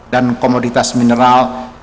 dan komoditas mineral